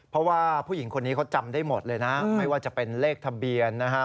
เพราะว่าผู้หญิงคนนี้เขาจำได้หมดเลยนะไม่ว่าจะเป็นเลขทะเบียนนะฮะ